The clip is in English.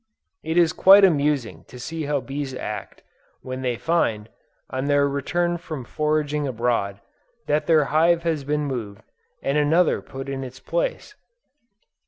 It is quite amusing to see how bees act, when they find, on their return from foraging abroad, that their hive has been moved, and another put in its place.